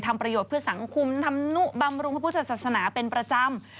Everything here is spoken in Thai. ทำประโยชน์เพื่อสังคมทำนุบำรุงพระพุทธศาสนาเป็นประจำ